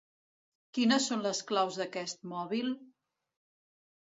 Quines són les claus d'aquest mòbil?